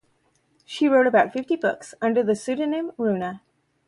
She wrote about fifty books under the pseudonym "Runa".